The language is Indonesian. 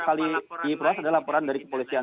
kali diproses adalah laporan dari kepolisian